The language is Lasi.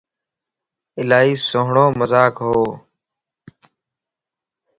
الائي سھڻو مذاق ھو